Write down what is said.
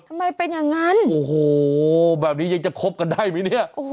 ทำไมเป็นอย่างนั้นโอ้โหแบบนี้ยังจะคบกันได้ไหมเนี่ย